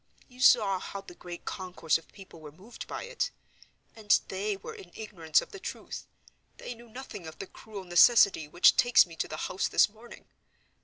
You saw how the great concourse of people were moved by it—and they were in ignorance of the truth; they knew nothing of the cruel necessity which takes me to the house this morning.